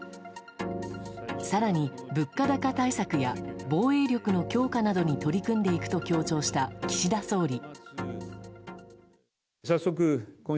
更に、物価高対策や防衛力の強化などに取り組んでいくと強調した岸田総理。